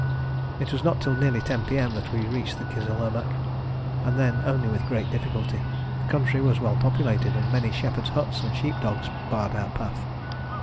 It was not till nearly 10 P.M. that we reached the Kizil Irmak, and then only with great difficulty. The country was well populated, and many shepherds' huts and sheep dogs barred our path.